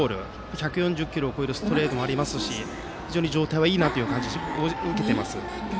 １４０キロを超えるストレートもありますし非常に状態はいいなという印象を受けています。